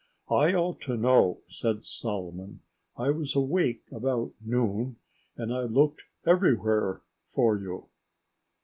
"I ought to know," said Solomon. "I was awake about noon; and I looked everywhere for you."